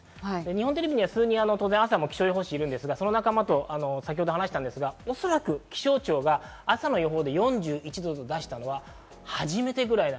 日本テレビには数人、朝も気象予報士いますが、その仲間と話したんですが、おそらく気象庁が朝の予報で４１度と出したのは初めてぐらい。